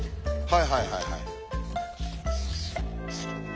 はいはいはいはい。